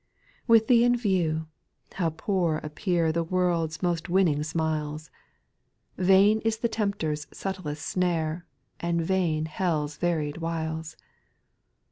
6. With thee in view, how poor appear The world's most winning smiles ; SPIRITUAL SONGS. 297 Vain is the tempter's subtlest snare, And vain JielFs varied wiles.